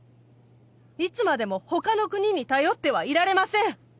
いつまでも他の国に頼ってはいられません